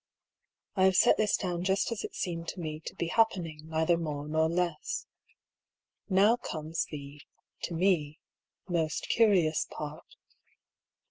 I have set this down just as it seemed to me to be happening, neither more nor less. Now comes the, to me, most curious part.